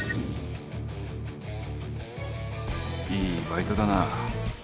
いいバイトだな。